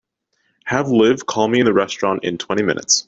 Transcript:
Have Liv call me in the restaurant in twenty minutes.